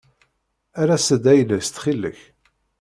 Err-as-d ayla-as ttxil-k.